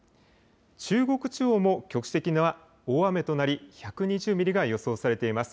中国地方も局地的には大雨となり１２０ミリが予想されています。